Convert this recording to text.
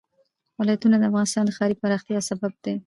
ولایتونه د افغانستان د ښاري پراختیا یو سبب دی.